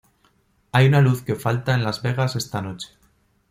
Hay una luz que falta en Las Vegas esta noche.